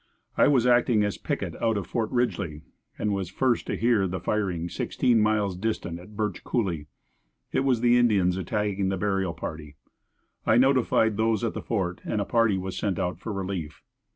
I was acting as picket out of Fort Ridgely and was first to hear the firing sixteen miles distant at Birch Coolie. It was the Indians attacking the burial party. I notified those at the fort and a party was sent out for relief.